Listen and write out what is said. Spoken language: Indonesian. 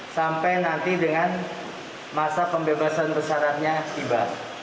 sampai nanti dengan masa pembebasan besaran nya tiba